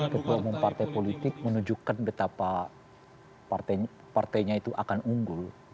tidak ada kpu menunjukkan betapa partainya itu akan unggul